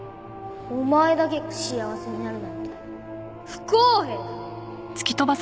お前だけが幸せになるなんて不公平だ！